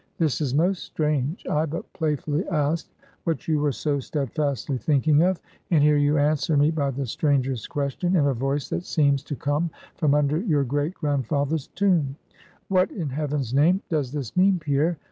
This is most strange! I but playfully asked, what you were so steadfastly thinking of; and here you answer me by the strangest question, in a voice that seems to come from under your great grandfather's tomb! What, in heaven's name, does this mean, Pierre?